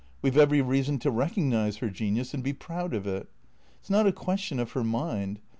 We 've every reason to recognize her genius and be proud of it. It 's not a question of her mind.